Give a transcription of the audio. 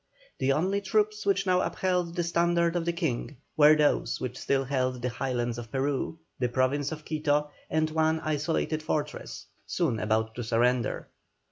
The only troops which now upheld the standard of the King, were those which still held the Highlands of Peru, the province of Quito, and one isolated fortress, soon about to surrender.